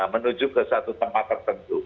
menuju ke satu tempat tertentu